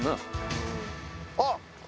あっ！